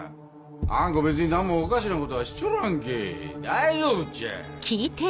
あん子別に何もおかしなことはしちょらんけぇ大丈夫っちゃ。